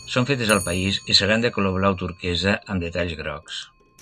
Són fetes al país i seran de color blau turquesa, amb detalls grocs.